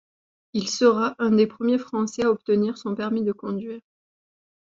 Il sera un des premiers Français à obtenir son permis de conduire.